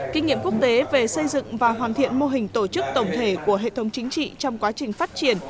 kinh nghiệm quốc tế về xây dựng và hoàn thiện mô hình tổ chức tổng thể của hệ thống chính trị trong quá trình phát triển